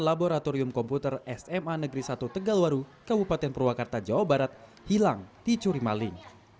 laboratorium komputer sma negeri satu tegal warung kabupaten purwakarta jawa barat hilang di curimaling